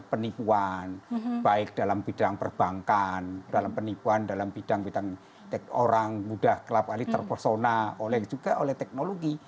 penipuan baik dalam bidang perbankan dalam penipuan dalam bidang orang muda terpersona juga oleh teknologi